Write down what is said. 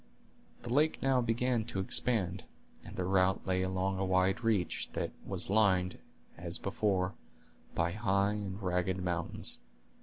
The lake now began to expand, and their route lay along a wide reach, that was lined, as before, by high and ragged mountains.